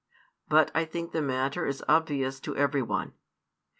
But I think the matter is obvious to every one.